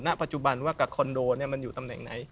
ณปัจจุบันว่ากับคอนโดมันอยู่ตำแหน่งไหน